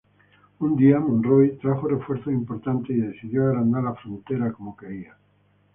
Un día, Monroy trajo refuerzos importantes, y decidió agrandar la frontera como quería.